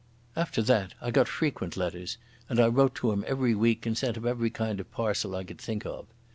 After that I got frequent letters, and I wrote to him every week and sent him every kind of parcel I could think of.